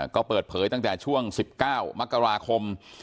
ก็เปิดเผยตั้งแต่ช่วง๑๙มกราคม